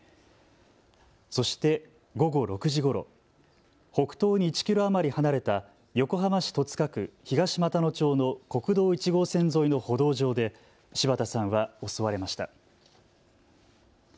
そして午後６時ごろ、北東に１キロ余り離れた横浜市戸塚区東俣野町の国道１号線沿いの歩道上で柴田さんは襲われました。